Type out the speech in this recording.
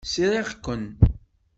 Sriɣ-ken.